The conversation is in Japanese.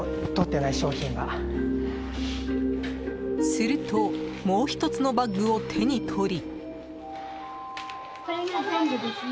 すると、もう１つのバッグを手に取り。